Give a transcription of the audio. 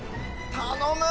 頼む！